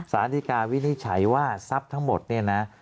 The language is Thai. สารดีกาวินิจฉัยว่าทรัพย์ทั้งหมดเนี่ยนะ